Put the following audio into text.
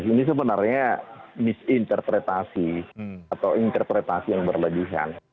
ini sebenarnya misinterpretasi atau interpretasi yang berlebihan